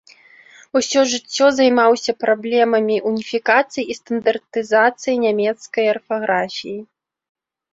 Усё жыццё займаўся праблемамі уніфікацыі і стандартызацыі нямецкай арфаграфіі.